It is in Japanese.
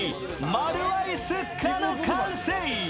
マルワイスッカの完成。